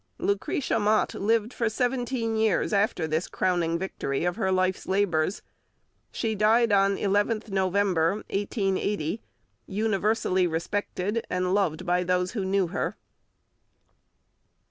Lucretia Mott lived for seventeen years after this crowning victory of her life's labours. She died on 11th November 1880, universally respected, and loved by those who knew her.